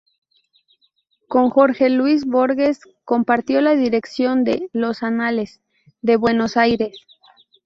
Con Jorge Luis Borges compartió la dirección de "Los Anales" de Buenos Aires.